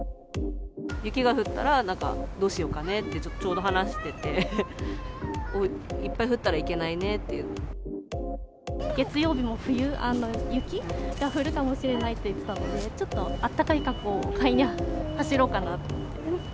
雪が降ったらなんか、どうしようかねって、ちょうど話してて、月曜日も雪が降るかもしれないと言ってたので、ちょっとあったかい格好を買いに走ろうかな。